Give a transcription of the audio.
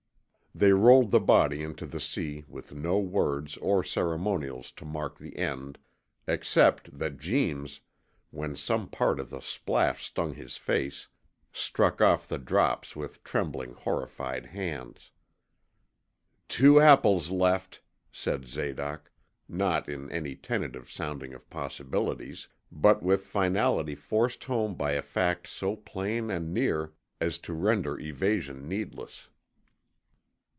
They rolled the body into the sea with no words or ceremonials to mark the end, except that Jeems, when some part of the splash stung his face, struck off the drops with trembling, horrified hands. 'Two apples left,' said Zadoc, not in any tentative sounding of possibilities, but with finality forced home by a fact so plain and near as to render evasion needless.